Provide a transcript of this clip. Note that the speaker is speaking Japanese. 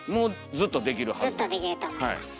ずっとできると思います。